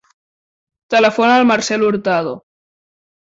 Telefona al Marcel Hurtado.